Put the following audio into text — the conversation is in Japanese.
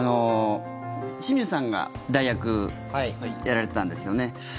清水さんが代役をやられてたんですよね。